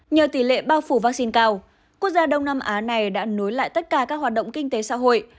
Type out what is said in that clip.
nhờ tỷ lệ bao phủ vaccine cao quốc gia đông nam á này đã nối lại tất cả các hoạt động kinh tế xã hội